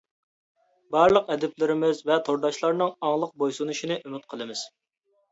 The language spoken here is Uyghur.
بارلىق ئەدىبلىرىمىز ۋە تورداشلارنىڭ ئاڭلىق بويسۇنۇشىنى ئۈمىد قىلىمىز.